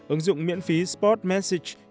ứng dụng miễn phí spot message